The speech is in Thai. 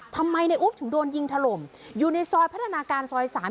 ทำไมในอุ๊บถึงโดนยิงถล่มอยู่ในซอยพัฒนาการซอย๓